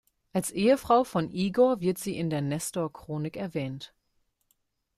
Als Ehefrau von Igor wird sie in der Nestorchronik erwähnt.